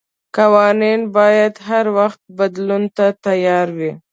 قوانين بايد هر وخت بدلون ته تيار وي.